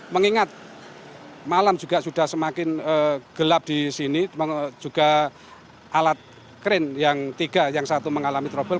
mengingat malam juga sudah semakin gelap di sini juga alat kren yang tiga yang satu mengalami trouble